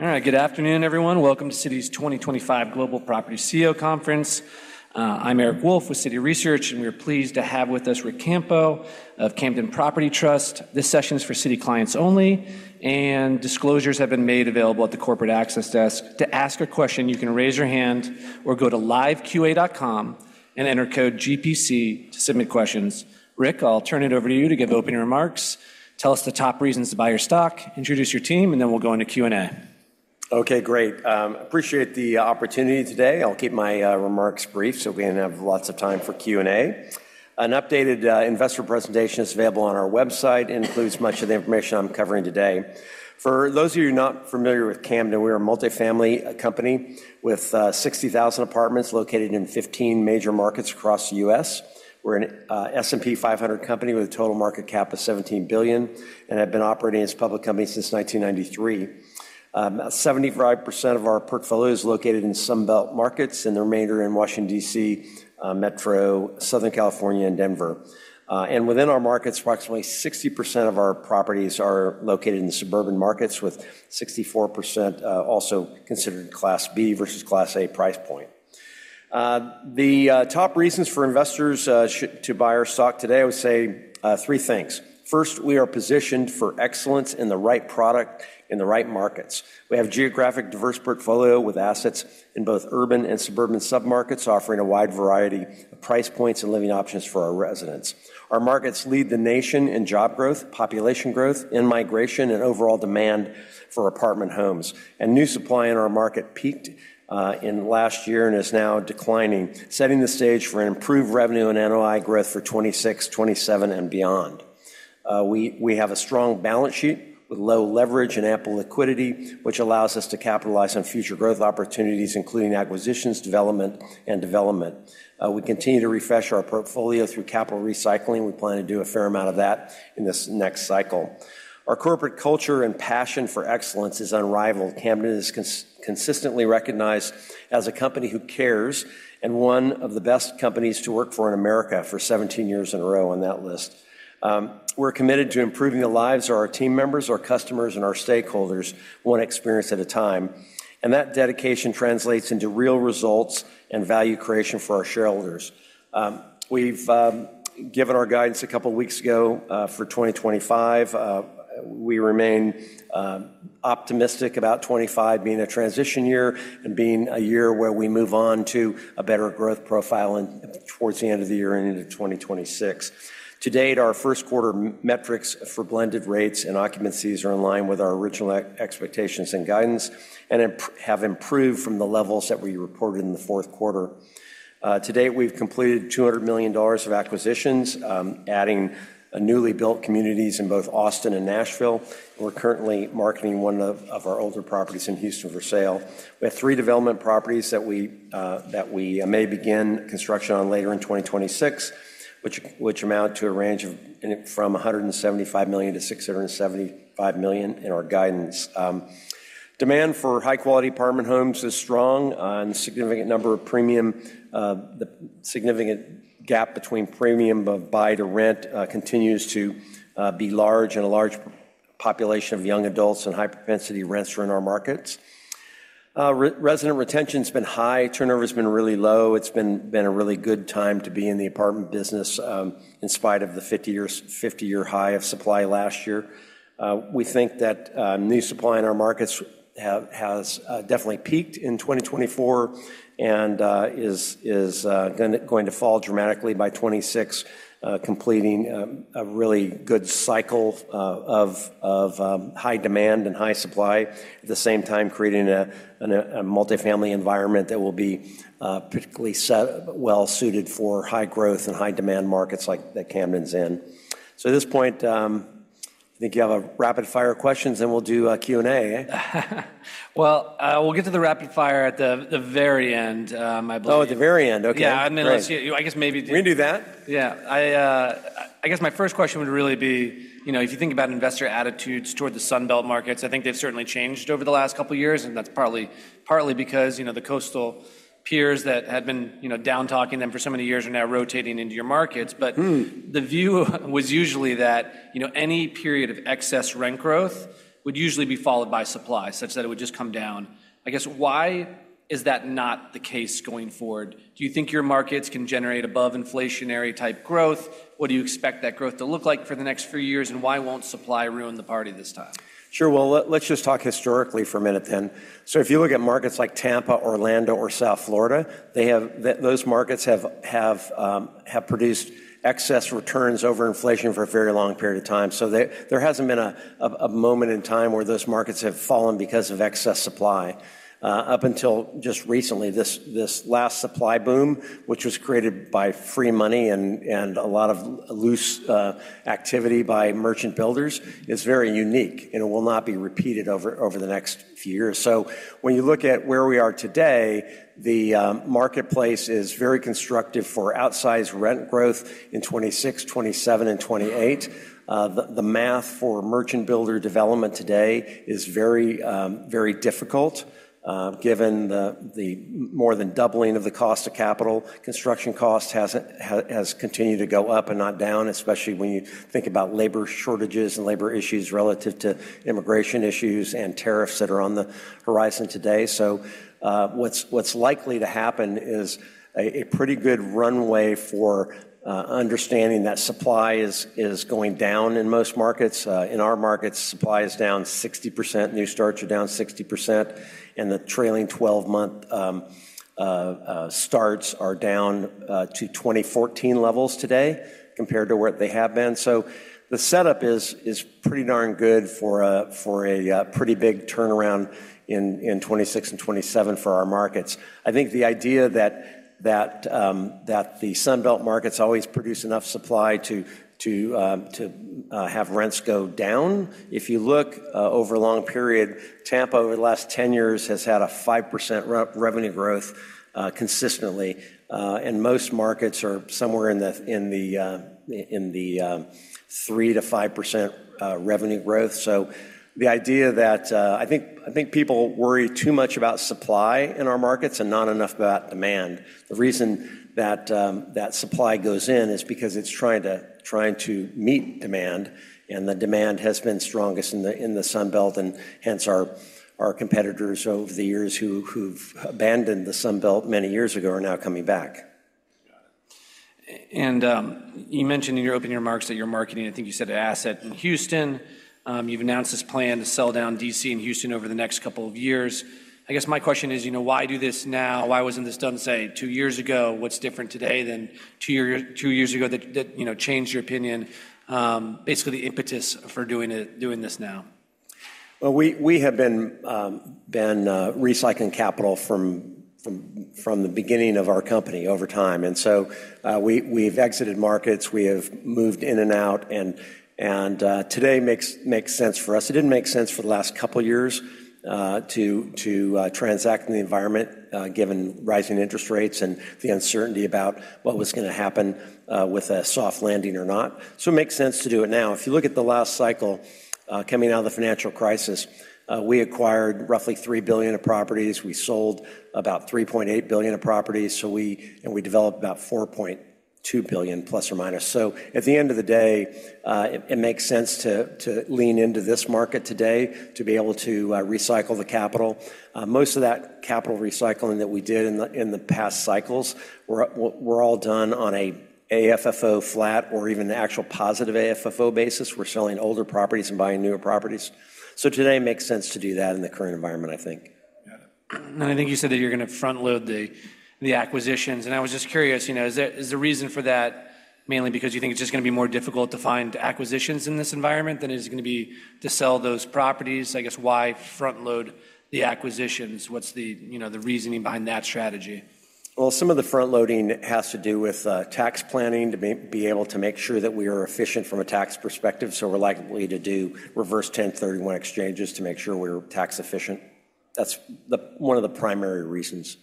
All right, good afternoon, everyone. Welcome to Citi 2025 Global Property CEO Conference. I'm Eric Wolfe with Citi Research, and we're pleased to have with us Ric Campo of Camden Property Trust. This session is for Citi clients only, and disclosures have been made available at the corporate access desk. To ask a question, you can raise your hand or go to liveqa.com and enter code GPC to submit questions. Ric, I'll turn it over to you to give opening remarks. Tell us the top reasons to buy your stock, introduce your team, and then we'll go into Q&A. Okay, great. Appreciate the opportunity today. I'll keep my remarks brief so we can have lots of time for Q&A. An updated investor presentation is available on our website and includes much of the information I'm covering today. For those of you who are not familiar with Camden, we are a multifamily company with 60,000 apartments located in 15 major markets across the U.S. We're an S&P 500 company with a total market cap of $17 billion and have been operating as a public company since 1993. 75% of our portfolio is located in Sun Belt markets and the remainder in Washington, D.C. Metro, Southern California, and Denver. Within our markets, approximately 60% of our properties are located in suburban markets, with 64% also considered a Class B versus Class A price point. The top reasons for investors to buy our stock today, I would say three things. First, we are positioned for excellence in the right product in the right markets. We have a geographically diverse portfolio with assets in both urban and suburban submarkets, offering a wide variety of price points and living options for our residents. Our markets lead the nation in job growth, population growth, immigration, and overall demand for apartment homes. And new supply in our market peaked last year and is now declining, setting the stage for improved revenue and NOI growth for 2026, 2027, and beyond. We have a strong balance sheet with low leverage and ample liquidity, which allows us to capitalize on future growth opportunities, including acquisitions, development. We continue to refresh our portfolio through capital recycling. We plan to do a fair amount of that in this next cycle. Our corporate culture and passion for excellence is unrivaled. Camden is consistently recognized as a company who cares and one of the best companies to work for in America for 17 years in a row on that list. We're committed to improving the lives of our team members, our customers, and our stakeholders one experience at a time. And that dedication translates into real results and value creation for our shareholders. We've given our guidance a couple of weeks ago for 2025. We remain optimistic about 2025 being a transition year and being a year where we move on to a better growth profile towards the end of the year and into 2026. To date, our 1st quarter metrics for blended rates and occupancies are in line with our original expectations and guidance and have improved from the levels that we reported in the 4th quarter. To date, we've completed $200 million of acquisitions, adding newly built communities in both Austin and Nashville. We're currently marketing one of our older properties in Houston for sale. We have three development properties that we may begin construction on later in 2026, which amount to a range from $175 million-$675 million in our guidance. Demand for high-quality apartment homes is strong. The significant gap between premium of buy to rent continues to be large, and a large population of young adults and high-propensity rents are in our markets. Resident retention has been high. Turnover has been really low. It's been a really good time to be in the apartment business in spite of the 50-year high of supply last year. We think that new supply in our markets has definitely peaked in 2024 and is going to fall dramatically by 2026, completing a really good cycle of high demand and high supply, at the same time creating a multifamily environment that will be particularly well-suited for high-growth and high-demand markets like that Camden's in. So at this point, I think you have a rapid-fire of questions, then we'll do a Q&A. We'll get to the rapid-fire at the very end, I believe. Oh, at the very end, okay. Yeah, I mean, I guess maybe. We can do that. Yeah. I guess my first question would really be, you know, if you think about investor attitudes toward the Sun Belt markets, I think they've certainly changed over the last couple of years, and that's partly because, you know, the coastal peers that had been down-talking them for so many years are now rotating into your markets, but the view was usually that, you know, any period of excess rent growth would usually be followed by supply, such that it would just come down. I guess, why is that not the case going forward? Do you think your markets can generate above-inflationary type growth? What do you expect that growth to look like for the next few years, and why won't supply ruin the party this time? Sure. Well, let's just talk historically for a minute then. So if you look at markets like Tampa, Orlando, or South Florida, those markets have produced excess returns over inflation for a very long period of time. So there hasn't been a moment in time where those markets have fallen because of excess supply. Up until just recently, this last supply boom, which was created by free money and a lot of loose activity by merchant builders, is very unique and will not be repeated over the next few years. So when you look at where we are today, the marketplace is very constructive for outsized rent growth in 2026, 2027, and 2028. The math for merchant builder development today is very difficult, given the more than doubling of the cost of capital. Construction cost has continued to go up and not down, especially when you think about labor shortages and labor issues relative to immigration issues and tariffs that are on the horizon today. So what's likely to happen is a pretty good runway for understanding that supply is going down in most markets. In our markets, supply is down 60%. New starts are down 60%, and the trailing 12-month starts are down to 2014 levels today compared to where they have been. So the setup is pretty darn good for a pretty big turnaround in 2026 and 2027 for our markets. I think the idea that the Sun Belt markets always produce enough supply to have rents go down, if you look over a long period, Tampa over the last 10 years has had a 5% revenue growth consistently, and most markets are somewhere in the 3%-5% revenue growth. So the idea that I think people worry too much about supply in our markets and not enough about demand. The reason that supply goes in is because it's trying to meet demand, and the demand has been strongest in the Sun Belt, and hence our competitors over the years who've abandoned the Sun Belt many years ago are now coming back. Got it. And you mentioned in your opening remarks that you're marketing, I think you said an asset in Houston. You've announced this plan to sell down D.C. and Houston over the next couple of years. I guess my question is, you know, why do this now? Why wasn't this done, say, two years ago? What's different today than two years ago that changed your opinion? Basically, the impetus for doing this now. We have been recycling capital from the beginning of our company over time, and so we've exited markets. We have moved in and out, and today makes sense for us. It didn't make sense for the last couple of years to transact in the environment, given rising interest rates and the uncertainty about what was going to happen with a soft landing or not, it makes sense to do it now. If you look at the last cycle coming out of the financial crisis, we acquired roughly $3 billion of properties. We sold about $3.8 billion of properties, and we developed about $4.2 billion, plus or minus, at the end of the day, it makes sense to lean into this market today to be able to recycle the capital. Most of that capital recycling that we did in the past cycles were all done on an AFFO flat or even the actual positive AFFO basis. We're selling older properties and buying newer properties, so today makes sense to do that in the current environment, I think. Got it. And I think you said that you're going to front-load the acquisitions. And I was just curious, you know, is the reason for that mainly because you think it's just going to be more difficult to find acquisitions in this environment than it is going to be to sell those properties? I guess, why front-load the acquisitions? What's the reasoning behind that strategy? Some of the front-loading has to do with tax planning to be able to make sure that we are efficient from a tax perspective. We're likely to do reverse 1031 exchanges to make sure we're tax efficient. That's one of the primary reasons.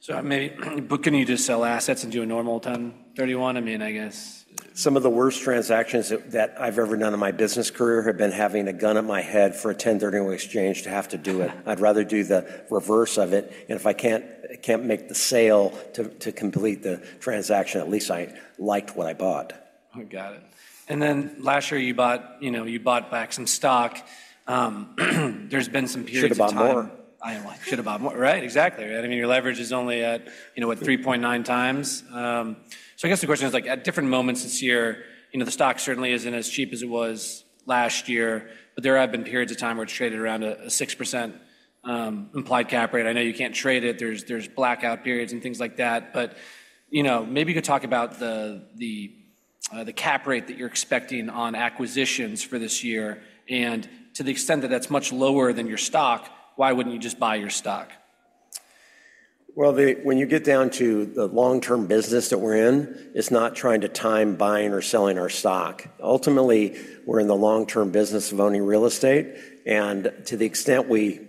So maybe, but can you just sell assets and do a normal 1031? I mean, I guess. Some of the worst transactions that I've ever done in my business career have been having a gun at my head for a 1031 exchange, to have to do it. I'd rather do the reverse of it, and if I can't make the sale to complete the transaction, at least I liked what I bought. I got it. And then last year, you bought back some stock. There's been some periods of time. Should have bought more. Right, exactly. I mean, your leverage is only at, you know, what, 3.9x? So I guess the question is, like, at different moments this year, you know, the stock certainly isn't as cheap as it was last year, but there have been periods of time where it's traded around a 6% implied cap rate. I know you can't trade it. There's blackout periods and things like that. But, you know, maybe you could talk about the cap rate that you're expecting on acquisitions for this year. And to the extent that that's much lower than your stock, why wouldn't you just buy your stock? Well, when you get down to the long-term business that we're in, it's not trying to time buying or selling our stock. Ultimately, we're in the long-term business of owning real estate. And to the extent we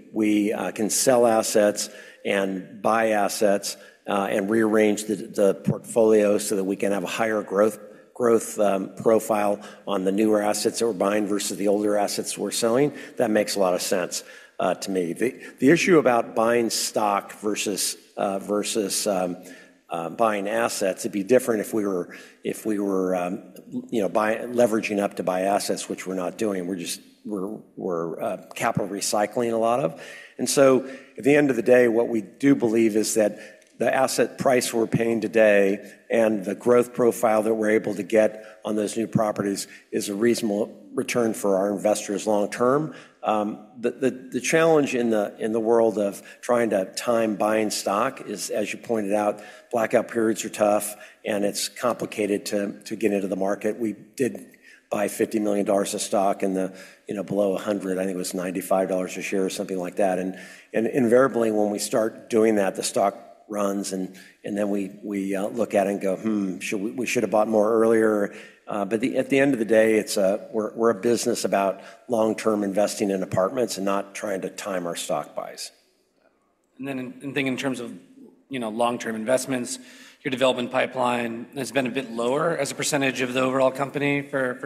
can sell assets and buy assets and rearrange the portfolio so that we can have a higher growth profile on the newer assets that we're buying versus the older assets we're selling, that makes a lot of sense to me. The issue about buying stock versus buying assets would be different if we were leveraging up to buy assets, which we're not doing. We're just capital recycling a lot of. And so at the end of the day, what we do believe is that the asset price we're paying today and the growth profile that we're able to get on those new properties is a reasonable return for our investors long-term. The challenge in the world of trying to time buying stock is, as you pointed out, blackout periods are tough, and it's complicated to get into the market. We did buy $50 million of stock in the, you know, below $100. I think it was $95 a share or something like that. And invariably, when we start doing that, the stock runs, and then we look at it and go, we should have bought more earlier. But at the end of the day, we're a business about long-term investing in apartments and not trying to time our stock buys. And then I think in terms of, you know, long-term investments, your development pipeline has been a bit lower as a percentage of the overall company for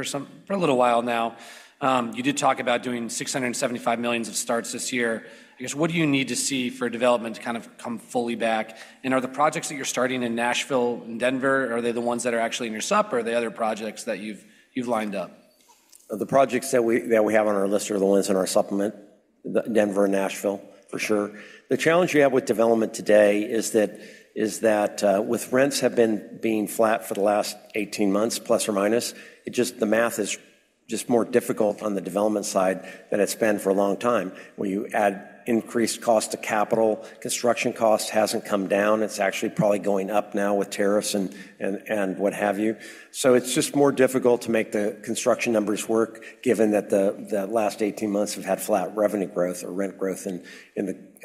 a little while now. You did talk about doing $675 million of starts this year. I guess, what do you need to see for development to kind of come fully back? And are the projects that you're starting in Nashville and Denver, are they the ones that are actually in your spec, or are they other projects that you've lined up? The projects that we have on our list are the ones in our supplement, Denver and Nashville, for sure. The challenge we have with development today is that with rents being flat for the last 18 months, plus or minus, it just, the math is just more difficult on the development side than it's been for a long time. When you add increased cost of capital, construction cost hasn't come down. It's actually probably going up now with tariffs and what have you. So it's just more difficult to make the construction numbers work, given that the last 18 months have had flat revenue growth or rent growth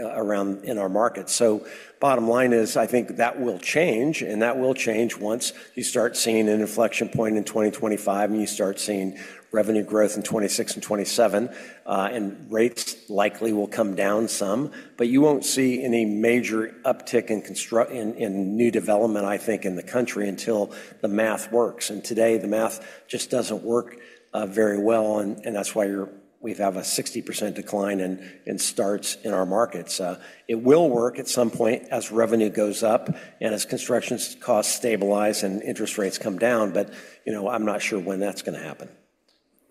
around in our market. Bottom line is, I think that will change, and that will change once you start seeing an inflection point in 2025 and you start seeing revenue growth in 2026 and 2027, and rates likely will come down some. But you won't see any major uptick in new development, I think, in the country until the math works. And today, the math just doesn't work very well, and that's why we have a 60% decline in starts in our markets. It will work at some point as revenue goes up and as construction costs stabilize and interest rates come down, but, you know, I'm not sure when that's going to happen.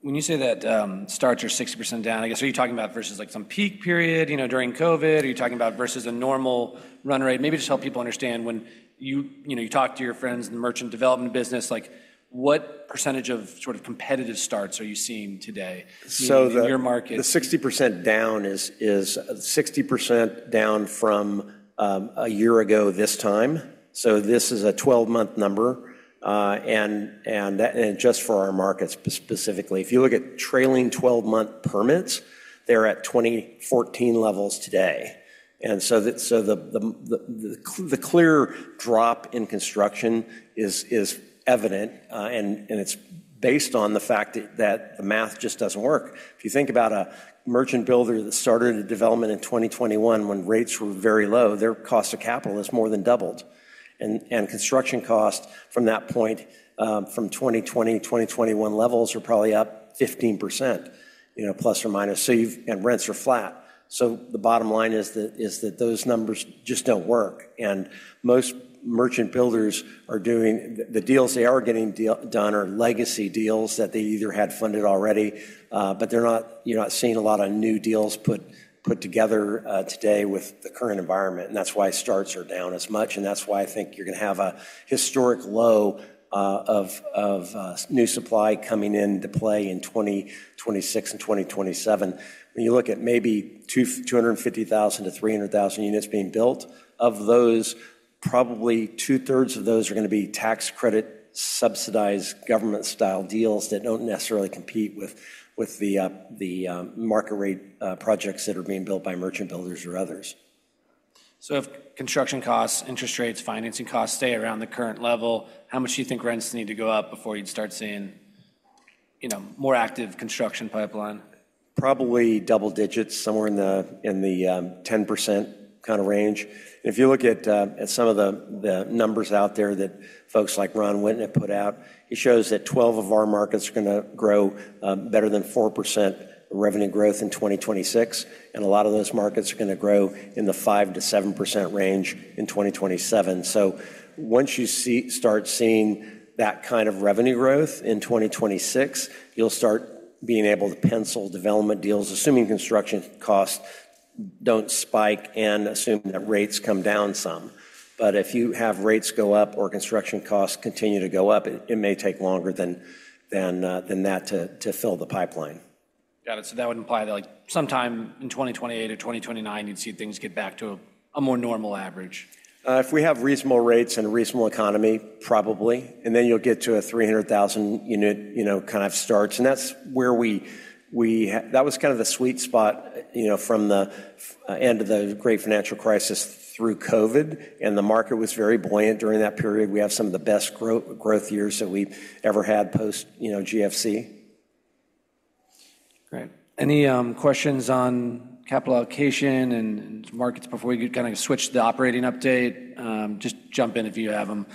When you say that starts are 60% down, I guess, are you talking about versus like some peak period, you know, during COVID? Are you talking about versus a normal run rate? Maybe just help people understand when you talk to your friends in the merchant development business, like, what percentage of sort of competitive starts are you seeing today in your market? So the 60% down is 60% down from a year ago this time. So this is a 12-month number. And just for our markets specifically, if you look at trailing 12-month permits, they're at 2014 levels today. And so the clear drop in construction is evident, and it's based on the fact that the math just doesn't work. If you think about a merchant builder that started a development in 2021 when rates were very low, their cost of capital has more than doubled. And construction cost from that point, from 2020, 2021 levels are probably up 15%, you know, plus or minus, and rents are flat. So the bottom line is that those numbers just don't work. Most merchant builders are doing the deals they are getting done are legacy deals that they either had funded already, but you're not seeing a lot of new deals put together today with the current environment. That's why starts are down as much, and that's why I think you're going to have a historic low of new supply coming into play in 2026 and 2027. When you look at maybe 250,000-300,000 units being built, of those, probably two-thirds of those are going to be tax credit subsidized government-style deals that don't necessarily compete with the market rate projects that are being built by merchant builders or others. So if construction costs, interest rates, financing costs stay around the current level, how much do you think rents need to go up before you'd start seeing, you know, more active construction pipeline? Probably double digits, somewhere in the 10% kind of range, and if you look at some of the numbers out there that folks like Ron Witten have put out, it shows that 12 of our markets are going to grow better than 4% revenue growth in 2026, and a lot of those markets are going to grow in the 5%-7% range in 2027, so once you start seeing that kind of revenue growth in 2026, you'll start being able to pencil development deals, assuming construction costs don't spike and assume that rates come down some, but if you have rates go up or construction costs continue to go up, it may take longer than that to fill the pipeline. Got it. So that would imply that like sometime in 2028 or 2029, you'd see things get back to a more normal average. If we have reasonable rates and a reasonable economy, probably. And then you'll get to a 300,000-unit, you know, kind of starts. And that's where we, that was kind of the sweet spot, you know, from the end of the Great Financial Crisis through COVID, and the market was very buoyant during that period. We have some of the best growth years that we've ever had post, you know, GFC. Great. Any questions on capital allocation and markets before we kind of switch to the operating update? Just jump in if you have them.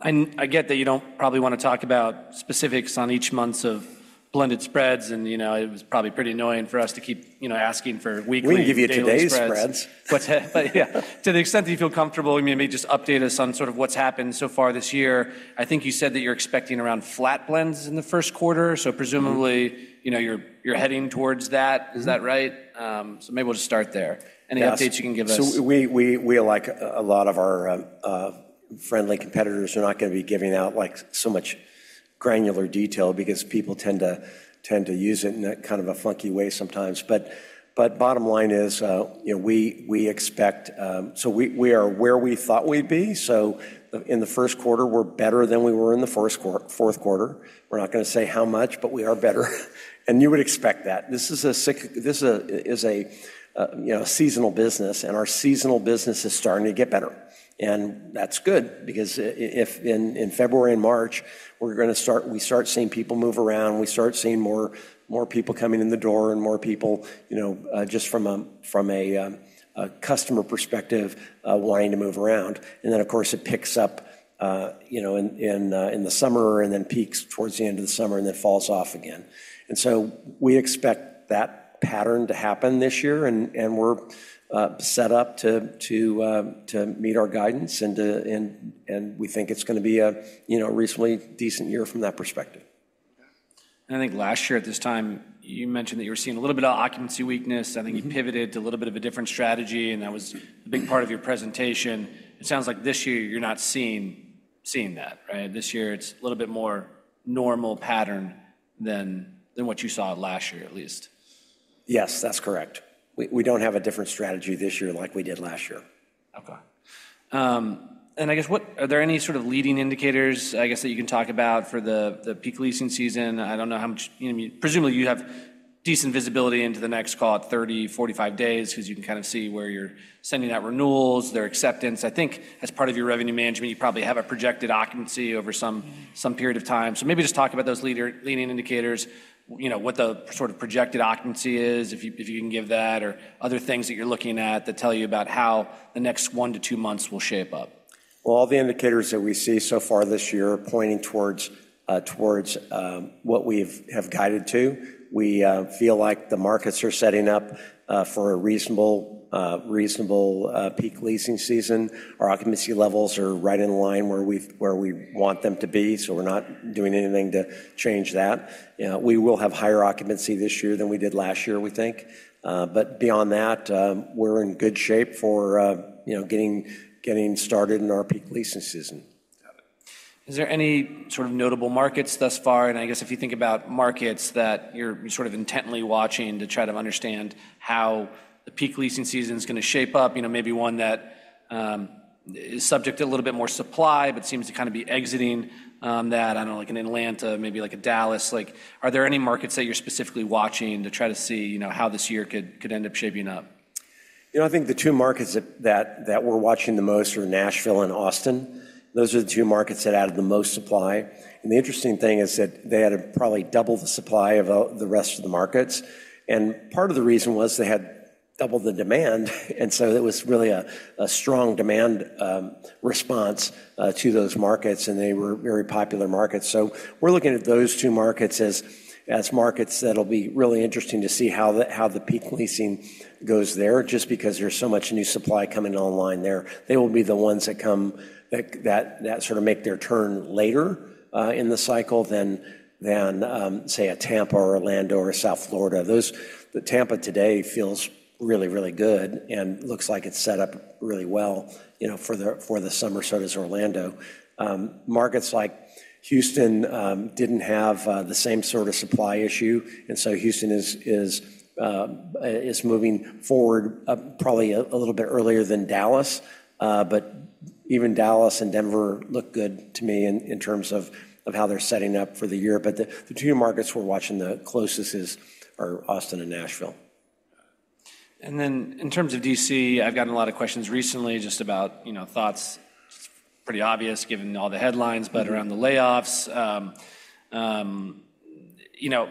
I get that you don't probably want to talk about specifics on each month's blended spreads, and, you know, it was probably pretty annoying for us to keep, you know, asking for weekly spreads. We didn't give you today's spreads. But yeah, to the extent that you feel comfortable, you may just update us on sort of what's happened so far this year. I think you said that you're expecting around flat blended in the 1st quarter. So presumably, you know, you're heading towards that. Is that right? So maybe we'll just start there. Any updates you can give us? So we, like a lot of our friendly competitors, are not going to be giving out like so much granular detail because people tend to use it in a kind of a funky way sometimes. But bottom line is, you know, we expect so we are where we thought we'd be. So in the 1st quarter, we're better than we were in the 4th quarter. We're not going to say how much, but we are better. And you would expect that. This is a, you know, seasonal business, and our seasonal business is starting to get better. And that's good because in February and March, we're going to start, we start seeing people move around. We start seeing more people coming in the door and more people, you know, just from a customer perspective wanting to move around. And then, of course, it picks up, you know, in the summer and then peaks towards the end of the summer and then falls off again. And so we expect that pattern to happen this year, and we're set up to meet our guidance, and we think it's going to be a, you know, reasonably decent year from that perspective. I think last year at this time, you mentioned that you were seeing a little bit of occupancy weakness. I think you pivoted to a little bit of a different strategy, and that was a big part of your presentation. It sounds like this year you're not seeing that, right? This year it's a little bit more normal pattern than what you saw last year, at least. Yes, that's correct. We don't have a different strategy this year like we did last year. Okay, and I guess, are there any sort of leading indicators, I guess, that you can talk about for the peak leasing season? I don't know how much, you know, presumably you have decent visibility into the next, call it 30, 45 days, because you can kind of see where you're sending out renewals, their acceptance. I think as part of your revenue management, you probably have a projected occupancy over some period of time, so maybe just talk about those leading indicators, you know, what the sort of projected occupancy is, if you can give that, or other things that you're looking at that tell you about how the next one to two months will shape up. All the indicators that we see so far this year are pointing towards what we have guided to. We feel like the markets are setting up for a reasonable peak leasing season. Our occupancy levels are right in line where we want them to be, so we're not doing anything to change that. We will have higher occupancy this year than we did last year, we think. Beyond that, we're in good shape for, you know, getting started in our peak leasing season. Got it. Is there any sort of notable markets thus far? And I guess if you think about markets that you're sort of intently watching to try to understand how the peak leasing season is going to shape up, you know, maybe one that is subject to a little bit more supply, but seems to kind of be exiting that, I don't know, like an Atlanta, maybe like a Dallas. Like, are there any markets that you're specifically watching to try to see, you know, how this year could end up shaping up? You know, I think the two markets that we're watching the most are Nashville and Austin. Those are the two markets that added the most supply. And the interesting thing is that they added probably double the supply of the rest of the markets. And part of the reason was they had double the demand. And so it was really a strong demand response to those markets, and they were very popular markets. So we're looking at those two markets as markets that'll be really interesting to see how the peak leasing goes there, just because there's so much new supply coming online there. They will be the ones that come, that sort of make their turn later in the cycle than, say, a Tampa or Orlando or South Florida. The Tampa today feels really, really good and looks like it's set up really well, you know, for the summer sort of Orlando. Markets like Houston didn't have the same sort of supply issue, and so Houston is moving forward probably a little bit earlier than Dallas. Even Dallas and Denver look good to me in terms of how they're setting up for the year. The two markets we're watching the closest are Austin and Nashville. And then, in terms of D.C., I've gotten a lot of questions recently just about, you know, thoughts. Pretty obvious given all the headlines, but around the layoffs. You know,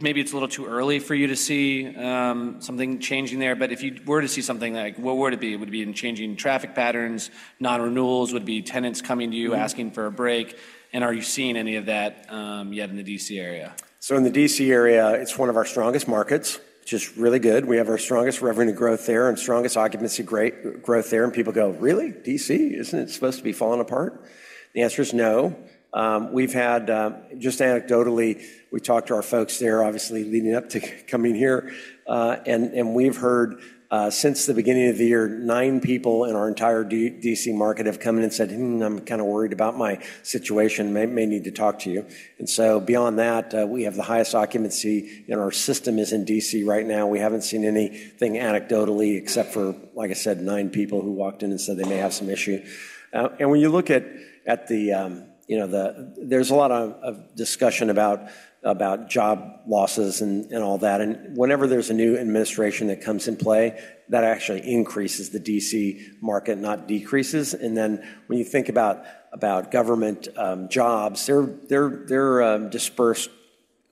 maybe it's a little too early for you to see something changing there, but if you were to see something, like what would it be? It would be in changing traffic patterns, non-renewals, tenants coming to you asking for a break. And are you seeing any of that yet in the D.C. area? In the D.C. area, it's one of our strongest markets, which is really good. We have our strongest revenue growth there and strongest occupancy growth there. People go, "Really? D.C.? Isn't it supposed to be falling apart?" The answer is no. We've had, just anecdotally, we talked to our folks there, obviously leading up to coming here, and we've heard since the beginning of the year, nine people in our entire D.C. market have come in and said, "I'm kind of worried about my situation. May need to talk to you." So beyond that, we have the highest occupancy in our system is in D.C. right now. We haven't seen anything anecdotally except for, like I said, nine people who walked in and said they may have some issue. And when you look at the, you know, there's a lot of discussion about job losses and all that. And whenever there's a new administration that comes in play, that actually increases the D.C. market, not decreases. And then when you think about government jobs, they're dispersed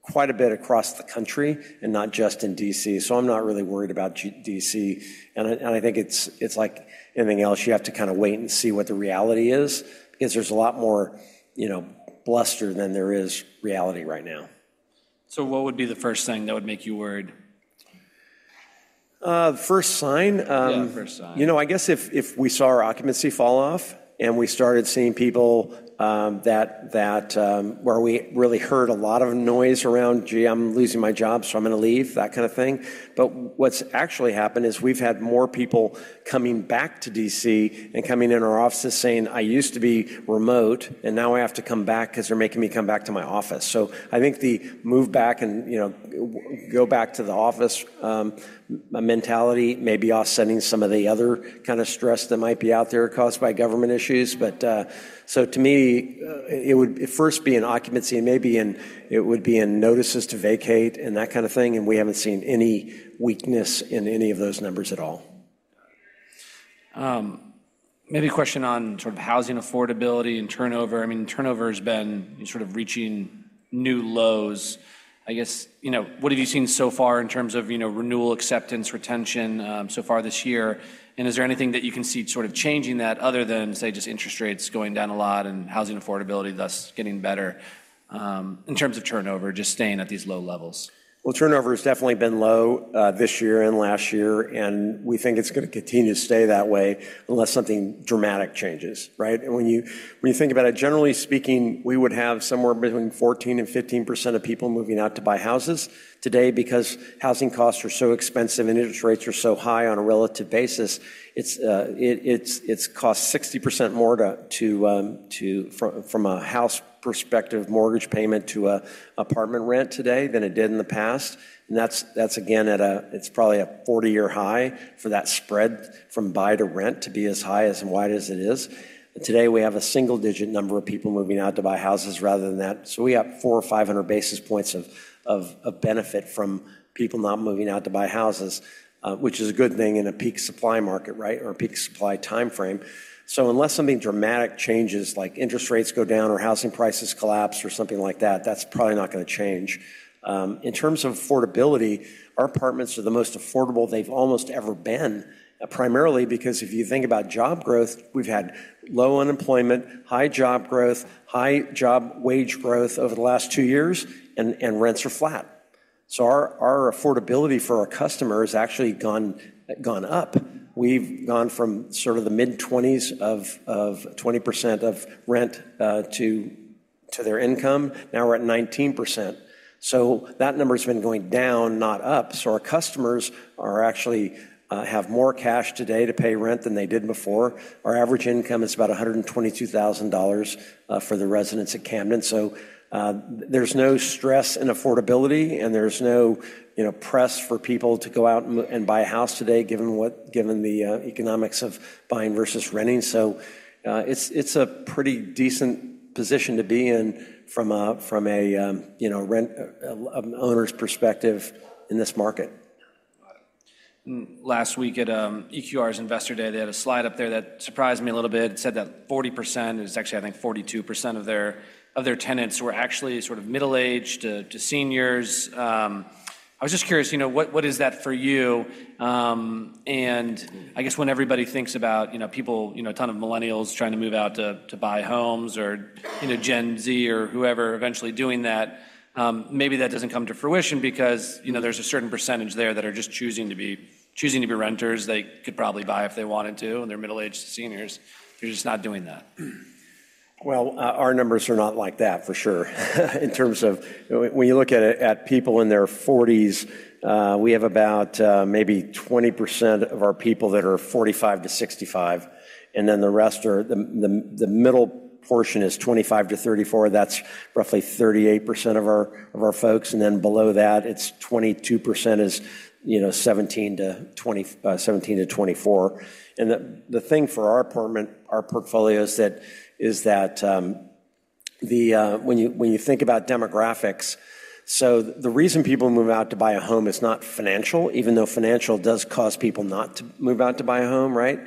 quite a bit across the country and not just in D.C. So I'm not really worried about D.C. And I think it's like anything else, you have to kind of wait and see what the reality is because there's a lot more, you know, bluster than there is reality right now. So what would be the first thing that would make you worried? The first sign? Yeah, the first sign. You know, I guess if we saw our occupancy fall off and we started seeing people that were we really heard a lot of noise around, "Gee, I'm losing my job, so I'm going to leave," that kind of thing, but what's actually happened is we've had more people coming back to D.C. and coming in our office saying, "I used to be remote, and now I have to come back because they're making me come back to my office." I think the move back and, you know, go back to the office mentality, maybe offsetting some of the other kind of stress that might be out there caused by government issues, but to me, it would first be in occupancy and maybe it would be in notices to vacate and that kind of thing. We haven't seen any weakness in any of those numbers at all. Maybe a question on sort of housing affordability and turnover. I mean, turnover has been sort of reaching new lows. I guess, you know, what have you seen so far in terms of, you know, renewal acceptance, retention so far this year? And is there anything that you can see sort of changing that other than, say, just interest rates going down a lot and housing affordability thus getting better in terms of turnover, just staying at these low levels? Turnover has definitely been low this year and last year, and we think it's going to continue to stay that way unless something dramatic changes, right? And when you think about it, generally speaking, we would have somewhere between 14% and 15% of people moving out to buy houses today because housing costs are so expensive and interest rates are so high on a relative basis. It's cost 60% more from a house perspective, mortgage payment to apartment rent today than it did in the past. And that's again at a, it's probably a 40-year high for that spread from buy to rent to be as high as and wide as it is. Today, we have a single-digit number of people moving out to buy houses rather than that. So we have 400 or 500 basis points of benefit from people not moving out to buy houses, which is a good thing in a peak supply market, right, or a peak supply timeframe. So unless something dramatic changes, like interest rates go down or housing prices collapse or something like that, that's probably not going to change. In terms of affordability, our apartments are the most affordable they've almost ever been, primarily because if you think about job growth, we've had low unemployment, high job growth, high job wage growth over the last two years, and rents are flat. So our affordability for our customers has actually gone up. We've gone from sort of the mid-20s of 20% of rent to their income. Now we're at 19%. So that number has been going down, not up. So our customers actually have more cash today to pay rent than they did before. Our average income is about $122,000 for the residents at Camden. So there's no stress in affordability, and there's no, you know, press for people to go out and buy a house today given the economics of buying versus renting. So it's a pretty decent position to be in from a, you know, owner's perspective in this market. Last week at EQR's Investor Day, they had a slide up there that surprised me a little bit. It said that 40%, it was actually, I think 42% of their tenants were actually sort of middle-aged to seniors. I was just curious, you know, what is that for you? And I guess when everybody thinks about, you know, people, you know, a ton of millennials trying to move out to buy homes or, you know, Gen Z or whoever eventually doing that, maybe that doesn't come to fruition because, you know, there's a certain percentage there that are just choosing to be renters. They could probably buy if they wanted to, and they're middle-aged to seniors. They're just not doing that. Our numbers are not like that for sure. In terms of when you look at people in their 40s, we have about maybe 20% of our people that are 45 to 65. And then the rest are the middle portion is 25 to 34. That's roughly 38% of our folks. And then below that, it's 22% is, you know, 17 to 24. And the thing for our portfolio is that when you think about demographics, so the reason people move out to buy a home is not financial, even though financial does cause people not to move out to buy a home, right?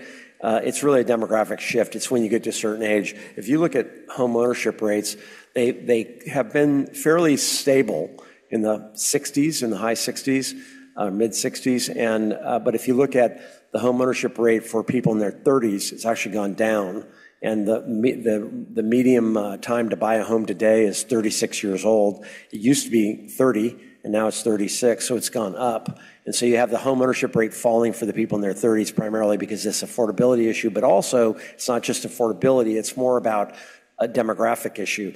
It's really a demographic shift. It's when you get to a certain age. If you look at homeownership rates, they have been fairly stable in the 60s, in the high 60s, mid-60s. But if you look at the homeownership rate for people in their 30s, it's actually gone down. And the median time to buy a home today is 36 years old. It used to be 30, and now it's 36. So it's gone up. And so you have the homeownership rate falling for the people in their 30s primarily because it's an affordability issue. But also, it's not just affordability. It's more about a demographic issue.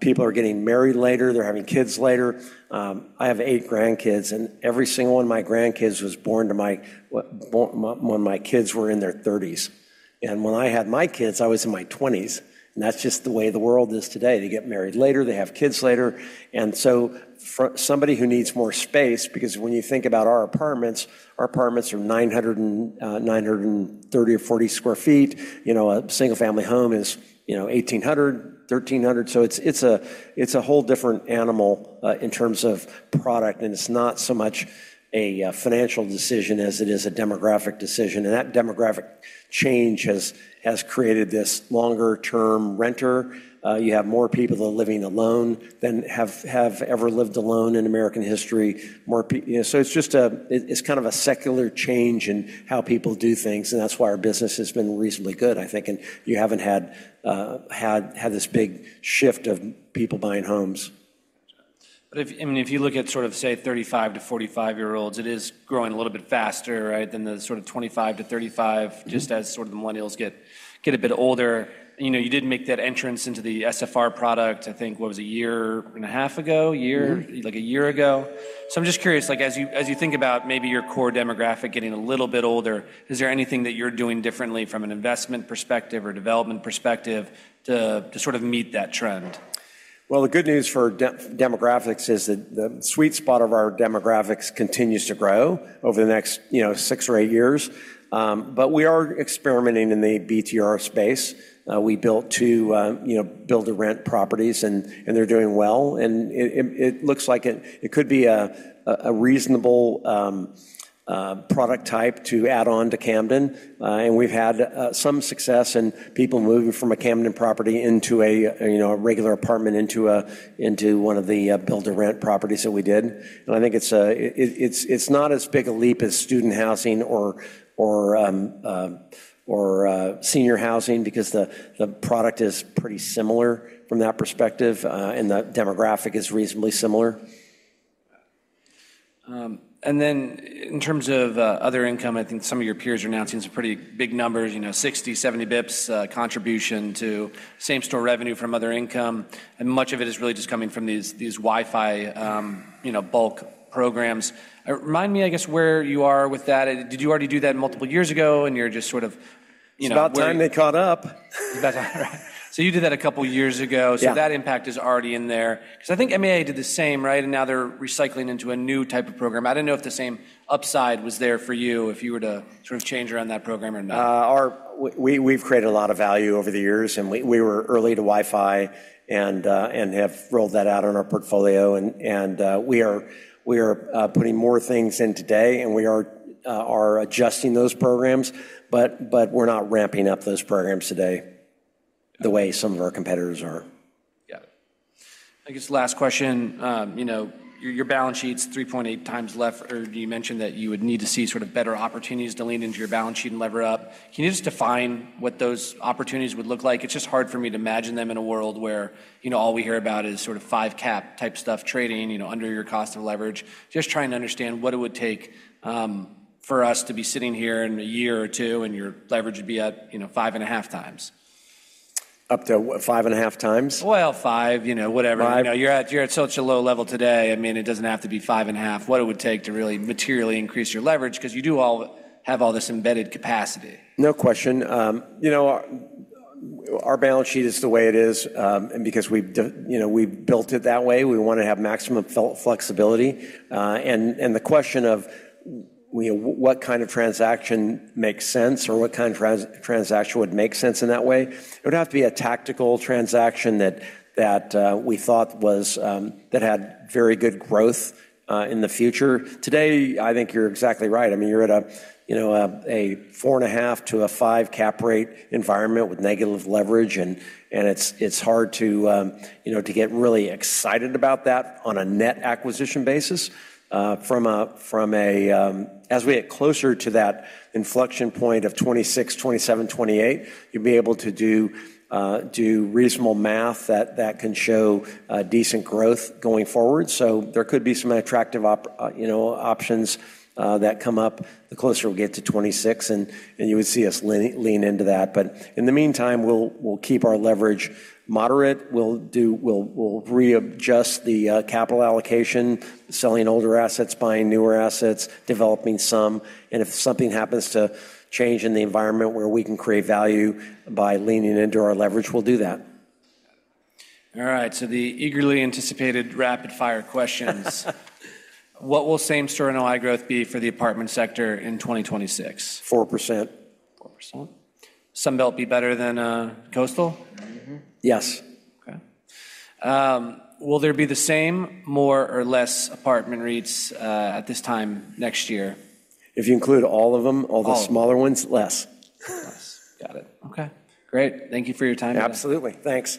People are getting married later. They're having kids later. I have eight grandkids, and every single one of my grandkids was born to me when my kids were in their 30s. And when I had my kids, I was in my 20s. And that's just the way the world is today. They get married later. They have kids later. And so somebody who needs more space, because when you think about our apartments, our apartments are 930sq ft or 940sq ft. You know, a single-family home is, you know, 1,800, 1,300. So it's a whole different animal in terms of product. And it's not so much a financial decision as it is a demographic decision. And that demographic change has created this longer-term renter. You have more people that are living alone than have ever lived alone in American history. So it's just, it's kind of a secular change in how people do things. And that's why our business has been reasonably good, I think. And you haven't had this big shift of people buying homes. But I mean, if you look at sort of, say, 35 to 45-year-olds, it is growing a little bit faster, right, than the sort of 25 to 35, just as sort of the millennials get a bit older. You know, you did make that entrance into the SFR product, I think, what was it, a year and a half ago, a year, like a year ago. So I'm just curious, like as you think about maybe your core demographic getting a little bit older, is there anything that you're doing differently from an investment perspective or development perspective to sort of meet that trend? The good news for demographics is that the sweet spot of our demographics continues to grow over the next, you know, six or eight years. But we are experimenting in the BTR space. We built two, you know, build-to-rent properties, and they're doing well. And it looks like it could be a reasonable product type to add on to Camden. And we've had some success in people moving from a Camden property into a, you know, a regular apartment into one of the build-to-rent properties that we did. And I think it's not as big a leap as student housing or senior housing because the product is pretty similar from that perspective, and the demographic is reasonably similar. And then in terms of other income, I think some of your peers are now seeing some pretty big numbers, you know, 60-70 basis points contribution to same-store revenue from other income. And much of it is really just coming from these Wi-Fi, you know, bulk programs. Remind me, I guess, where you are with that. Did you already do that multiple years ago? And you're just sort of, you know. It's about time they caught up. So you did that a couple of years ago. So that impact is already in there. Because I think MAA did the same, right? And now they're recycling into a new type of program. I don't know if the same upside was there for you if you were to sort of change around that program or not. We've created a lot of value over the years, and we were early to Wi-Fi and have rolled that out on our portfolio, and we are putting more things in today, and we are adjusting those programs, but we're not ramping up those programs today the way some of our competitors are. Yeah. I guess last question, you know, your balance sheet's 3.8x left, or you mentioned that you would need to see sort of better opportunities to lean into your balance sheet and lever up. Can you just define what those opportunities would look like? It's just hard for me to imagine them in a world where, you know, all we hear about is sort of five-cap type stuff trading, you know, under your cost of leverage. Just trying to understand what it would take for us to be sitting here in a year or two and your leverage would be at, you know, 5.5x? Up to 5.5x? Five, you know, whatever. You're at such a low level today. I mean, it doesn't have to be 5.5. What it would take to really materially increase your leverage because you do have all this embedded capacity. No question. You know, our balance sheet is the way it is. And because we've built it that way, we want to have maximum flexibility. And the question of, you know, what kind of transaction makes sense or what kind of transaction would make sense in that way, it would have to be a tactical transaction that we thought was that had very good growth in the future. Today, I think you're exactly right. I mean, you're at a, you know, a 4.5-5 cap rate environment with negative leverage. And it's hard to, you know, to get really excited about that on a net acquisition basis. From a, as we get closer to that inflection point of 2026, 2027, 2028, you'd be able to do reasonable math that can show decent growth going forward. So there could be some attractive, you know, options that come up the closer we get to 2026. And you would see us lean into that. But in the meantime, we'll keep our leverage moderate. We'll readjust the capital allocation, selling older assets, buying newer assets, developing some. And if something happens to change in the environment where we can create value by leaning into our leverage, we'll do that. All right. So the eagerly anticipated rapid-fire questions. What will same-store and NOI growth be for the apartment sector in 2026? 4%. 4%. Sun Belt be better than coastal? Yes. Okay. Will there be the same, more or less apartment rates at this time next year? If you include all of them, all the smaller ones, less. Less. Got it. Okay. Great. Thank you for your time. Absolutely. Thanks.